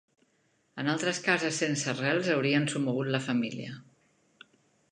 En altres cases sense arrels haurien somogut la família